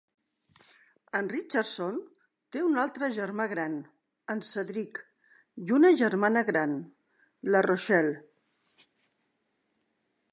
En Richardson té un altre germà gran, en Cedric i una germana gran, la Rochelle.